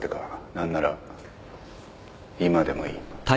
何なら今でもいい。